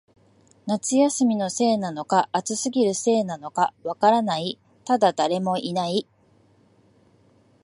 夏休みのせいなのか、暑すぎるせいなのか、わからない、ただ、誰もいない